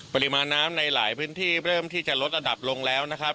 ปริมาณน้ำในหลายพื้นที่เริ่มที่จะลดระดับลงแล้วนะครับ